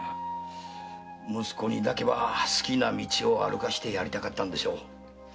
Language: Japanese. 息子にだけは好きな道を歩かせてやりたかったんでしょう。